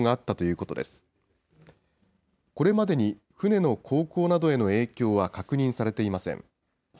これまでに船の航行などへの影響は確認されていません。